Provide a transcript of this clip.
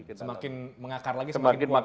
semakin mengakar lagi semakin kuat